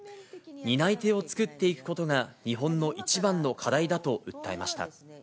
担い手を作っていくことが日本の一番の課題だと訴えました。